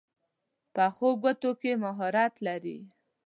پخو ګوتو کې مهارت وي